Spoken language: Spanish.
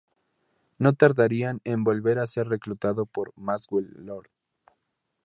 No tardaría en volver a ser reclutado por Maxwell Lord.